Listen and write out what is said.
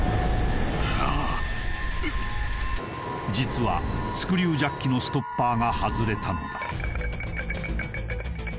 ああ実はスクリュージャッキのストッパーが外れたのだ